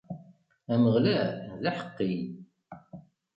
Ameɣlal, d aḥeqqi.